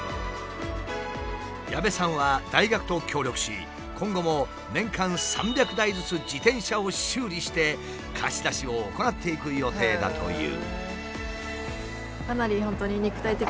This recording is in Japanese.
矢部さんは大学と協力し今後も年間３００台ずつ自転車を修理して貸し出しを行っていく予定だという。